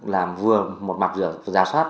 làm vừa một mặt giả soát